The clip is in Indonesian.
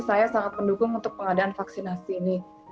saya sangat mendukung untuk pengadaan vaksinasi ini